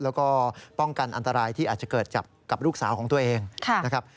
แล้วก็ป้องกันอันตรายที่อาจจะเกิดกับลูกสาวของตัวเองนะครับ